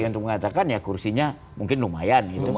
untuk mengatakan ya kursinya mungkin lumayan gitu